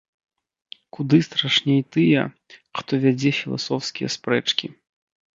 Куды страшней тыя, хто вядзе філасофскія спрэчкі.